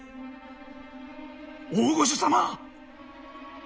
大御所様！